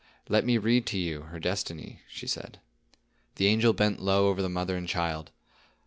"Let me read to you her destiny," she said. The angel bent low over the mother and child.